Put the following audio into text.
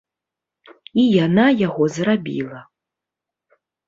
І яна яго зрабіла.